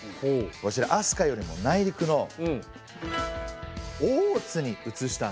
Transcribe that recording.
こちら飛鳥よりも内陸の大津にうつしたんですね。